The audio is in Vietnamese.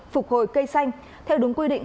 phục hồi cây xanh theo đúng quy định